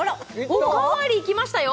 おかわりいきましたよ！